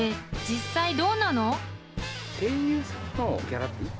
［実際どうなの？］